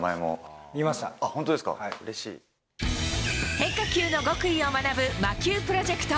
変化球の極意を学ぶ魔球プロジェクト。